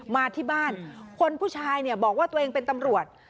มาที่บ้านคนผู้ชายเนี่ยบอกว่าตัวเองเป็นตำรวจ